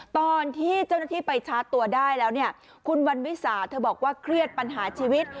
ตอนที่เจ้าหน้าที่ไปชาร์จตัวได้แล้วเนี่ยคุณวันวิสาเธอบอกว่าเครียดปัญหาชีวิต